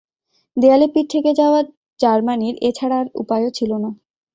দেয়ালে পিঠ ঠেকে যাওয়া জার্মানির এ ছাড়া আর উপায়ও ছিল না।